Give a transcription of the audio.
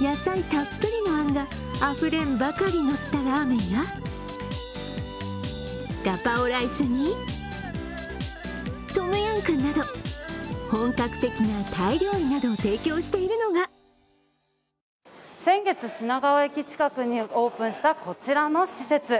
野菜たっぷりのあんがあふれんばかり乗ったラーメンやガパオライスに、トムヤムクンなど本格的なタイ料理を提供しているのが先月、品川駅近くにオープンしたこちらの施設。